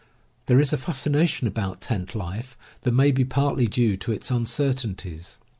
There is a fascination about tent life that may be partly due to its uncertainties.